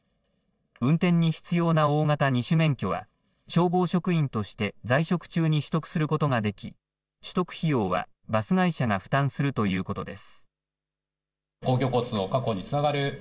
運転に必要な大型２種免許は、消防職員として在職中に取得することができ、取得費用はバス会社が負担するということです。